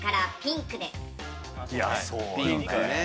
・ピンクね。